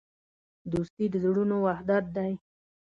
دوستي د زړونو وحدت دی.